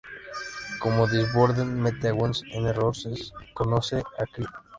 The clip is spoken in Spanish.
Como Disturbed mete a Guns N 'Roses, conoce a Creed".